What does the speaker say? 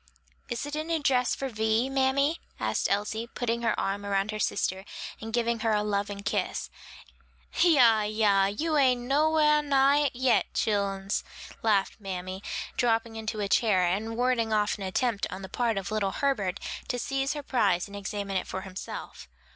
"Is it a new dress for Vi, mammy?" asked Elsie, putting her arm about her sister and giving her a loving kiss. "Yah, yah; you ain't no whar nigh it yet, chillens," laughed mammy, dropping into a chair, and warding off an attempt on the part of little Herbert to seize her prize and examine it for himself.